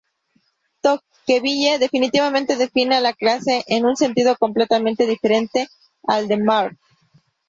Tocqueville definitivamente define a la clase en un sentido completamente diferente al de Marx.